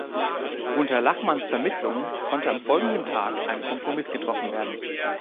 Unter Lachmanns Vermittlung konnte am folgenden Tag ein Kompromiss getroffen werden.